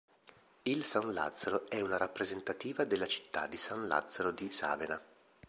Il San Lazzaro è una rappresentativa della città di San Lazzaro di Savena.